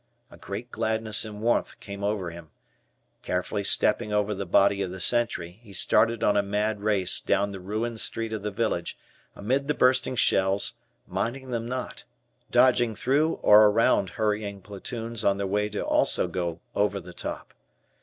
A great gladness and warmth came over him. Carefully stepping over the body of the sentry, he started on a mad race down the ruined street of the village, amid the bursting shells, minding them not, dodging through or around hurrying platoons on their way to also go "over the top."